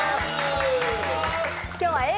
今日はＡぇ！